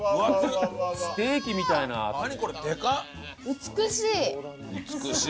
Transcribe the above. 美しい！